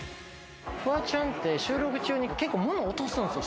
フワちゃんは収録中に物を落とすんですよ。